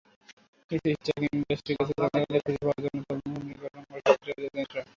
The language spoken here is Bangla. কিছু স্টার্ক ইন্ডাস্ট্রির কিছু যন্ত্রপাতিকে খুঁজে পাওয়ার জন্য তদন্ত কমিটি গঠন করেছেন ফেডারেল এজেন্টরা।